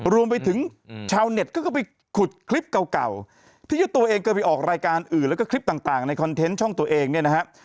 รวมไปถึงชาวเน็ตก็ไปขุดคลิปเก่าที่เจ้าตัวเองเคยไปออกรายการอื่นแล้วก็คลิปต่างในคอนเทนต์ช่องตัวเองเนี่ยนะฮะ